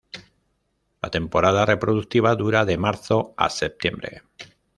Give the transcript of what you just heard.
La temporada reproductiva dura de marzo a septiembre.